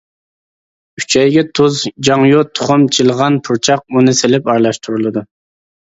ئۈچەيگە تۇز، جاڭيۇ، تۇخۇم، چىلىغان پۇرچاق ئۇنى سېلىپ ئارىلاشتۇرۇلىدۇ.